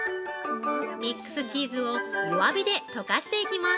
ミックスチーズを弱火で溶かしていきます。